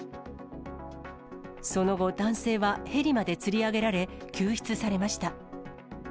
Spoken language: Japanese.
その後、男性はヘリまでつり上げられ、救出されました。